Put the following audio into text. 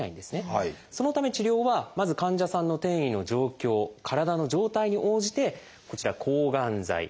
そのため治療はまず患者さんの転移の状況体の状態に応じてこちら抗がん剤。